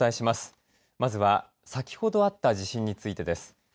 まずは先ほどあった地震についてです。